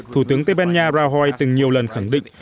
thủ tướng tây ban nha rao hoi từng nhiều lần khẳng định